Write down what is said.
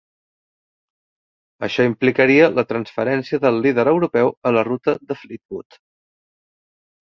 Això implicaria la transferència del "Líder Europeu" a la ruta de Fleetwood.